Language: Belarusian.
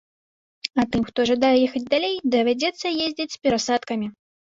А тым, хто жадае ехаць далей, давядзецца ездзіць з перасадкамі.